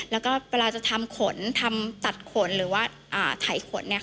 แล้วก็เวลาจะทำขนทำตัดขนหรือว่าไถขนเนี่ย